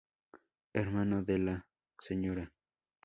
Hermano de la Sra.